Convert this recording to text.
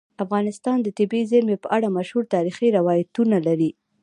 افغانستان د طبیعي زیرمې په اړه مشهور تاریخی روایتونه لري.